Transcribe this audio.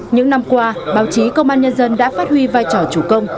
những năm qua báo chí công an nhân dân đã phát huy vai trò chủ công